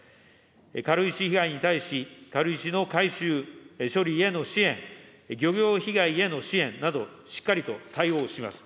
軽石被害に対し、軽石の回収・処理への支援、漁業被害への支援など、しっかりと対応します。